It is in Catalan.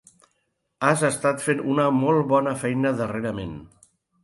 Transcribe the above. Has estat fent una molt bona feina darrerament.